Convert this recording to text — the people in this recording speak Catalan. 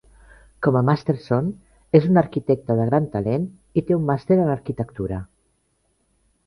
Com a Masterson, és un arquitecte de gran talent i té un màster en arquitectura.